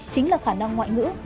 chính là khả năng ngoại ngữ